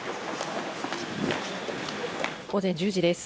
午前１０時です。